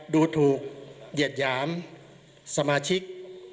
ดูถูกเหยียดหยามสมาชิก